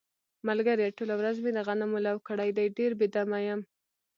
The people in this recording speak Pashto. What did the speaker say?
ملگریه ټوله ورځ مې د غنمو لو کړی دی، ډېر بې دمه یم.